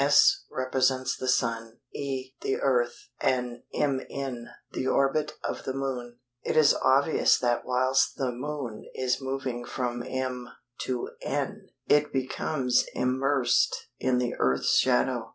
S represents the Sun, E the Earth, and mn the orbit of the Moon. It is obvious that whilst the Moon is moving from m to n it becomes immersed in the Earth's shadow.